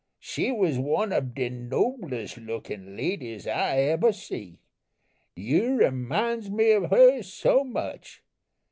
she was one ob de noblest lookin' ladies I ebber see. You reminds me ob her so much.